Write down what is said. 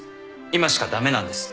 今しか駄目なんです